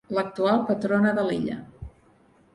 L'actual patrona de l'illa.